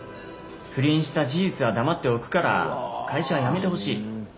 不倫した事実は黙っておくから会社を辞めてほしい。